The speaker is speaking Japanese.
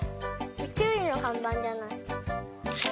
ちゅういのかんばんじゃない？